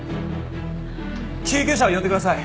救急車を呼んでください。